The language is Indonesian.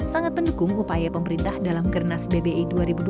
sangat mendukung upaya pemerintah dalam gernas bbi dua ribu dua puluh